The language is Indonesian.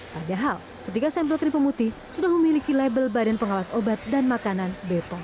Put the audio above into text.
padahal ketiga sampel krim pemutih sudah memiliki label badan pengawas obat dan makanan bepong